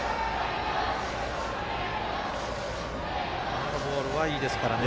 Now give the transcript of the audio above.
今のボールはいいですからね。